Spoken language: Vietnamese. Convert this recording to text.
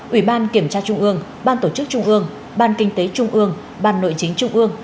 ủy ban kiểm tra trung ương ban tổ chức trung ương ban kinh tế trung ương ban nội chính trung ương